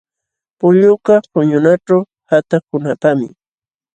Pullukaq puñunaćhu qatakunapaqmi.